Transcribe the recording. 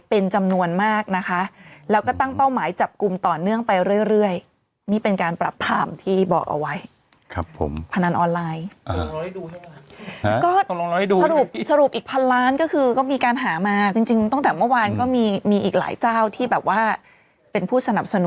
เสร็จแล้วปุ๊บเธอก็แบบว่าวิ่งมาตรงน้ำพุกเพื่อจะให้มันเป่าใช่ไหม